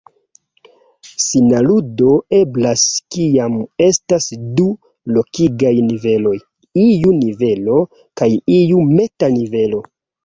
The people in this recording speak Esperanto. Sinaludo eblas kiam estas du logikaj niveloj, iu nivelo kaj iu meta-nivelo.